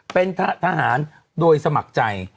เป็นทหารโดยสมัครใจ